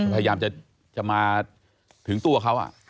พยายามจะมาถึงตัวเขา